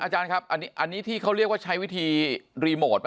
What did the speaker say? อาจารย์ครับอันนี้ที่เขาเรียกว่าใช้วิธีรีโมทไหม